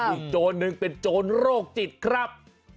อีกโจรหนึ่งเป็นโจรโรคจิตครับ